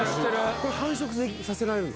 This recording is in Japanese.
これ繁殖させられるの？